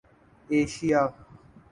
Asia